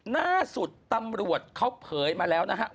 ล่าสุดตำรวจเขาเผยมาแล้วนะครับ